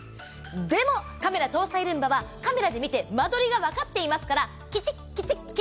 でもカメラ搭載ルンバはカメラで見て間取りが分かっていますからきちっきちっ